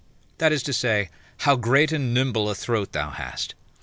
that is to say, How great and nimble a throat thou hast.